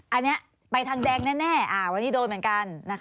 อันนี้ไปทางแดงแน่วันนี้โดนเหมือนกัน